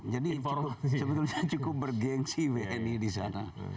jadi sebetulnya cukup bergeng sih wni di sana